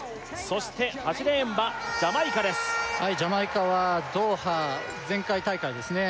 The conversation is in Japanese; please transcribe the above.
そして８レーンはジャマイカですはいジャマイカはドーハ前回大会ですね